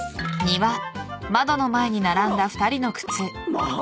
まあ。